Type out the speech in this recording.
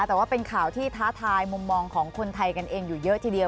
แต่ว่าเป็นข่าวที่ท้าทายมุมมองของคนไทยกันเองอยู่เยอะทีเดียว